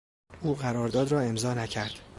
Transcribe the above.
او قرارداد را امضا نکرد.